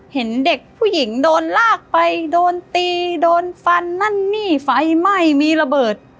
เห็นเด็กผู้หญิงโดนลากไปโดนตีโดนฟันนั่นนี่ไฟไหม้มีระเบิด